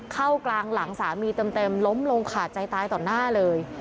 เข้ากลางหลังสามีเต็มล้มลงขาดใจตายต่อหน้าเลย